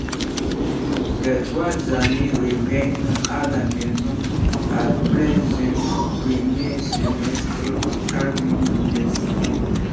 Les trois amis reviennent à la maison après un premier semestre à l'université.